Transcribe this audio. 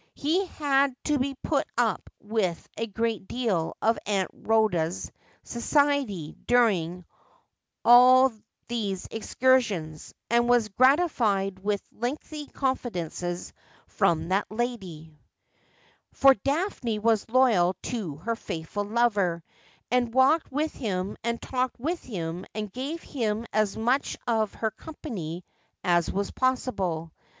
He had to put up with a great deal of Aunt Rhoda's society during all these excursions, and was gratified with lengthy confidences from that lady ; for Daphne was loyal to her faithful lover, and walked with him and talked with him, and gave him as much of her company as was possible.